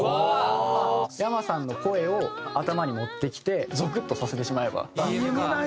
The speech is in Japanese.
ｙａｍａさんの声を頭に持ってきてゾクッとさせてしまえば。